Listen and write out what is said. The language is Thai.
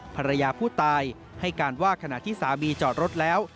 ภรรยาผู้ตายให้การว่าขณะที่สามีจอดรถแล้ว